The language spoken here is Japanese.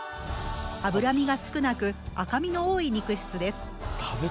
脂身が少なく赤身の多い肉質です。